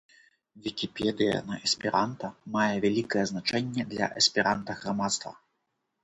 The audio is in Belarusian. Вікіпедыя на эсперанта мае вялікае значэнне для эсперанта-грамадства.